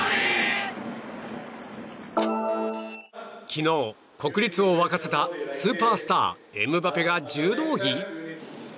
昨日、国立を沸かせたスーパースター、エムバペが柔道着？